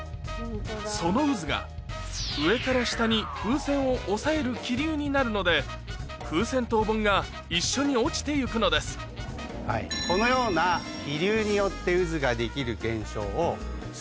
その渦が上から下に風船を押さえる気流になるので風船とお盆が一緒に落ちて行くのですこのような気流によって渦ができる現象を。